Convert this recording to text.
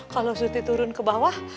kalau suti turun ke bawah